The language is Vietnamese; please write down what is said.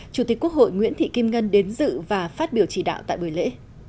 chủ tịch quốc hội nguyễn thị kim ngân đến dự và phát biểu chỉ đạo tại buổi lễ